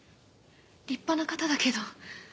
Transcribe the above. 立派な方だけど。